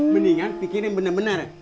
mendingan pikirin bener bener